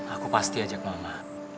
aku pasti ajak mama